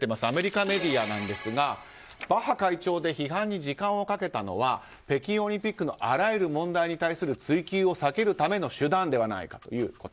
アメリカメディアですがバッハ会長が批判に時間をかけたのは北京オリンピックのあらゆる問題に対する追及を避けるための手段ではないかと。